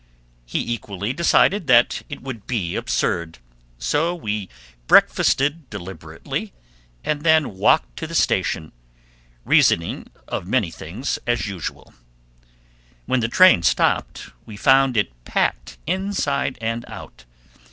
He equally decided that it would be absurd; so we breakfasted deliberately, and then walked to the station, reasoning of many things as usual. When the train stopped, we found it packed inside and out.